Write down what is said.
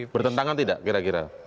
bertentangan tidak kira kira